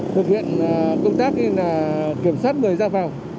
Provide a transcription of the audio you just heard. thực hiện công tác kiểm soát người ra vào